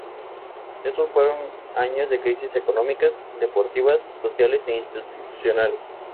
Estos fueron años de crisis económicas, deportivas, sociales e institucionales.